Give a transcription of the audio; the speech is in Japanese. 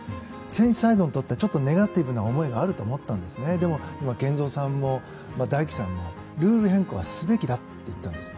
選手サイドにとってはちょっとネガティブな思いがあると思ったんですが健三さんも大輝さんもルール変更はすべきだって言ったんです。